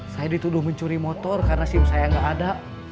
saya dituduh mencuri motor karena sim saya nggak ada